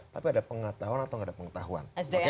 tapi ada pengetahuan atau nggak ada pengetahuan